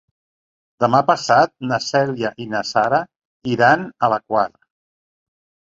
Demà passat na Cèlia i na Sara iran a la Quar.